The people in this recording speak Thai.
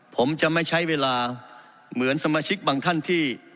ผมจะไม่ใช้เวลาเหมือนสมาชิกบางท่านที่